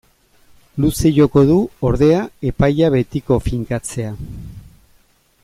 Luze joko du, ordea, epaia betiko finkatzea.